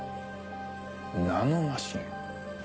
ナノマシン？